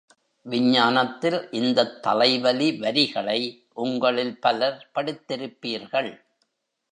விஞ்ஞானத்தில் இந்தத் தலைவலி, வரிகளை உங்களில் பலர் படித்திருப்பீர்கள்.